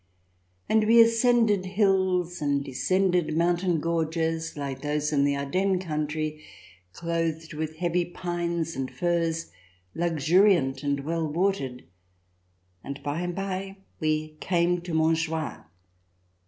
And we ascended hills and descended mountain gorges, like those in the Ardennes country, clothed with heavy pines and firs, luxuriant and well watered. And by and by we came to Montjoie.